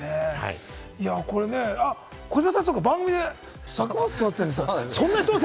児嶋さん、番組で作物育てているんですよね？